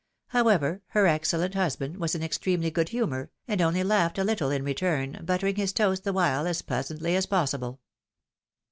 However, her excellent husband was in extremely good humour, and only laughed a Httle in return, buttering his toast the while as pleasantly as possible.